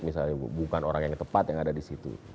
misalnya bukan orang yang tepat yang ada di situ